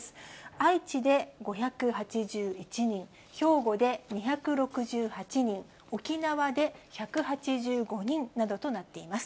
愛知で５８１人、兵庫で２６８人、沖縄で１８５人などとなっています。